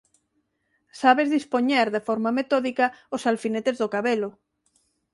Sabes dispoñer de forma metódica os alfinetes do cabelo